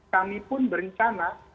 kami pun berencana